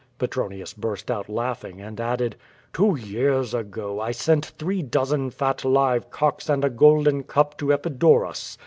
Petronius burst out laughing, and added: "Two years ago I sent three dozen fat live cocks and a golden cup to Epidaurus.